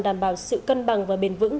đảm bảo sự cân bằng và bền vững